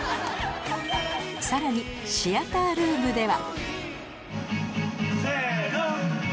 さらにシアタールームでは